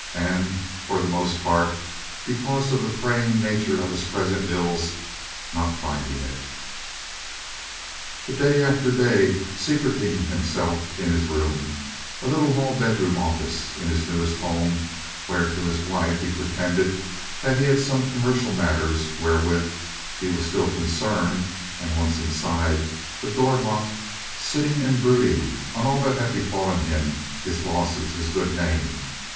And for the most part, because of the fraying nature of his present ills, not finding it. But day after day secreting himself in his room—a little hall bedroom office in his newest home, where to his wife, he pretended that he had some commercial matters wherewith he was still concerned—and once inside, the door locked, sitting and brooding on all that had befallen him—his losses; his good name.